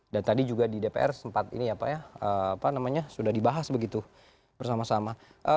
dan tadi juga di dpr sempat ini ya pak ya sudah dibahas begitu bersama sama